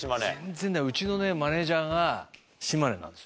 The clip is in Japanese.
全然うちのマネジャーが島根なんですよ。